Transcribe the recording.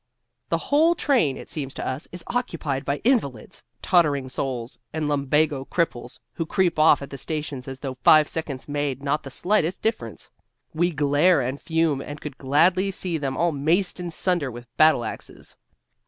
The whole train, it seems to us, is occupied by invalids, tottering souls and lumbago cripples, who creep off at the stations as though five seconds made not the slightest difference. We glare and fume and could gladly see them all maced in sunder with battle axes.